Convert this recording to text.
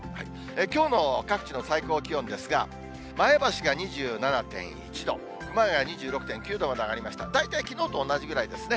きょうの各地の最高気温ですが、前橋が２７．１度、熊谷２６．９度まで上がりまして、大体きのうと同じぐらいですね。